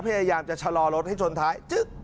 พยายามจะชะลอรถให้จนท้าย